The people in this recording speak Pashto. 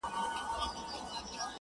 دلته ولور گټمه.